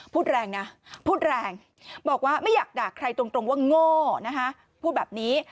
พูดแรงนะพูดแรงบอกว่าไม่อยากด่าใครตรงว่าโง่นะคะพูดแบบนี้